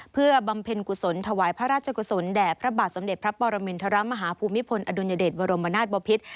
เพื่อบำเพ็ญกุศลถวายพระราชกุศลแด่พระบาทสมเด็จพระปรมินทรมาฮภูมิพลอดุลยเดชบรมนาศบพิษ